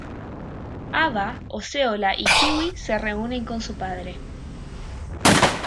Ava, Osceola y Kiwi se reúnen con su padre.